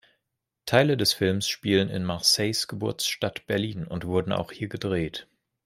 Teile des Films spielen in Marseilles Geburtsstadt Berlin und wurden auch hier gedreht.